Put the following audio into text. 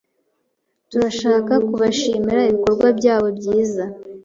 Turashaka kubashimira ibikorwa byabo byiza.